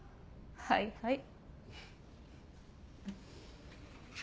はいはい。